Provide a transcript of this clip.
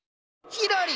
ひらり！